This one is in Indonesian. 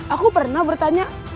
aku pernah bertanya